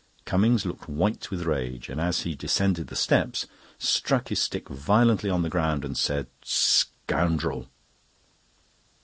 Cummings looked white with rage, and as he descended the steps struck his stick violently on the ground and said: "Scoundrel!"